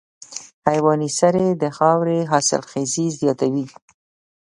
حیواني سرې د خاورې حاصلخېزي زیاتوي.